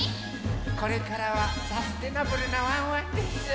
これからはサステナブルなワンワンです。